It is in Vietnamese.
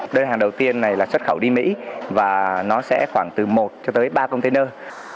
đơn hàng đầu tiên này là xuất khẩu đi mỹ và nó sẽ khoảng từ một cho tới ba container